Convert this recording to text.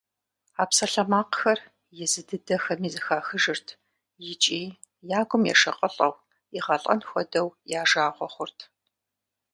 А псалъэмакъхэр езы дыдэхэми зэхахыжырт икӀи я гум ешыкъылӀэу, игъэлӀэн хуэдэу я жагъуэ хъурт.